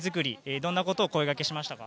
どんなところを声がけしましたか。